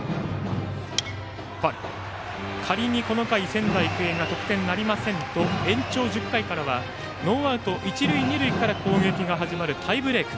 仮にこの回、仙台育英が得点なりませんと延長１０回からはノーアウト、一塁二塁から攻撃が始まるタイブレーク。